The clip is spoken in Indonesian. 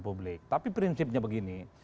publik tapi prinsipnya begini